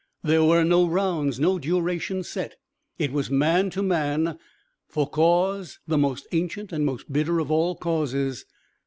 There were no rounds, no duration set. It was man to man, for cause the most ancient and most bitter of all causes sex.